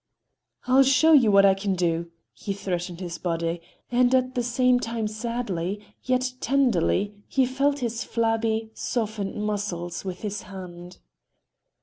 "I'll show you what I can do!" he threatened his body, and at the same time sadly, yet tenderly he felt his flabby, softened muscles with his hand.